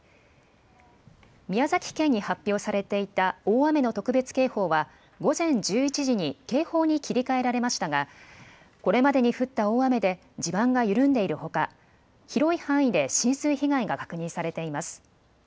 宮崎県に発表されていた大雨の特別警報は午前１１時に警報に切り替えられましたがこれまでに降った大雨で地盤が緩んでいるほか広い範囲で浸水被害が確認されています。